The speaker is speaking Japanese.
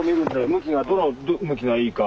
向きがどの向きがいいか。